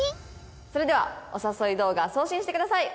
それではお誘い動画送信してください。